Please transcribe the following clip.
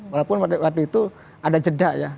walaupun waktu itu ada jeda ya